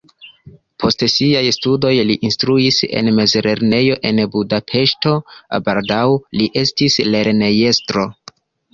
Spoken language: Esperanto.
Post siaj studoj li instruis en mezlernejo en Budapeŝto, baldaŭ li estis lernejestro.